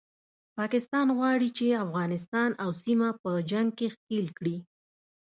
پاکستان غواړي چې افغانستان او سیمه په جنګ کې ښکیل کړي